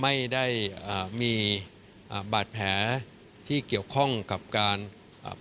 ไม่ได้อ่ามีอ่าบาดแผลที่เกี่ยวข้องกับการอ่า